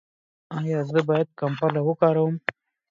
ایا زه باید کمپله وکاروم؟